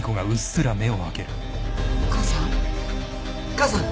母さん？